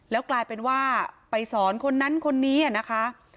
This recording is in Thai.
แล้วกลายเป็นว่าไปสอนคนนั้นคนนี้นะคะ